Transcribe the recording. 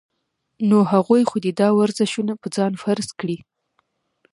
نو هغوي خو دې دا ورزشونه پۀ ځان فرض کړي -